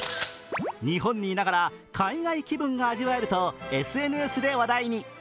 日本にいながら海外気分が味わえるとＳＮＳで話題に。